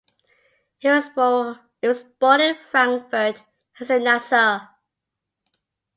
He was born in Frankfurt, Hesse-Nassau.